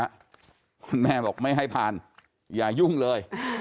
คุณแม่บอกไม่ให้ผ่านอย่ายุ่งเลย